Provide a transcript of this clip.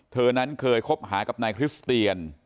เธอนั้นเคยคบหากับนายคริสเตียน